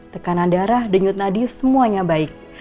tekanan darah denyut nadi semuanya baik